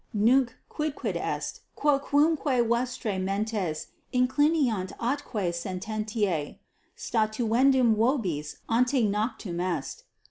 Nunc quidquid est, quocumque vestrae mentes inclinant atque sententiae, statuendum vobis ante noctem est.